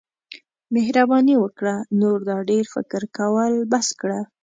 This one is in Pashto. مهرباني وکړه نور دا ډیر فکر کول بس کړه.